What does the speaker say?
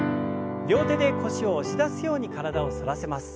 両手で腰を押し出すように体を反らせます。